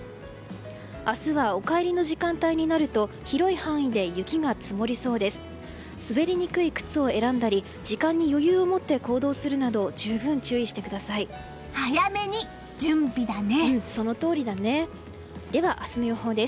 明日はお帰りの時間帯になると広い範囲で雪が積もりそうです。